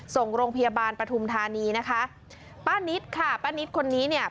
ส่งโรงพยาบาลปฐุมธานีนะคะป้านิตค่ะป้านิตคนนี้เนี่ย